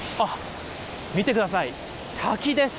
見てください、滝です。